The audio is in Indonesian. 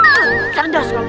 tuh cerdas kamu lukman